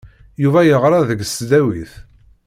Yuba yeɣra deg tesdawit.